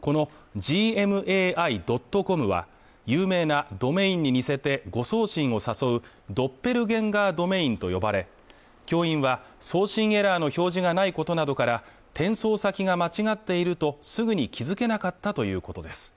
このｇｍａｉ．ｃｏｍは有名なドメインに似せて誤送信を誘うドッペルゲンガー・ドメインと呼ばれ教員は送信エラーの表示がないことなどから転送先が間違っているとすぐに気付けなかったということです